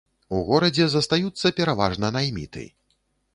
У горадзе застаюцца пераважна найміты.